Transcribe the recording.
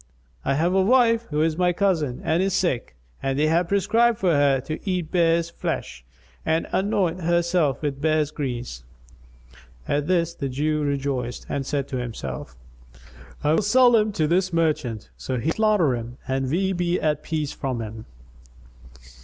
I have a wife who is my cousin and is sick; and they have prescribed for her to eat bears' flesh and anoint herself with bears' grease." At this the Jew rejoiced and said to himself, "I will sell him to this merchant, so he may slaughter him and we be at peace from him."